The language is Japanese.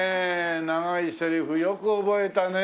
長いセリフよく覚えたね。